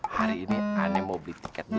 hari ini ane mau beli tiket dulu hee